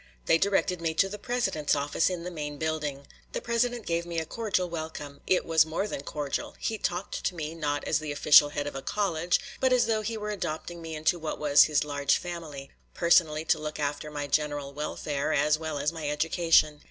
They directed me to the president's office in the main building. The president gave me a cordial welcome; it was more than cordial; he talked to me, not as the official head of a college, but as though he were adopting me into what was his large family, personally to look after my general welfare as well as my education.